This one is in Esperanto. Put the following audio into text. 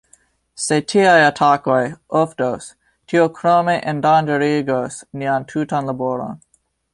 Se tiaj atakoj oftos, tio krome endanĝerigos nian tutan laboron.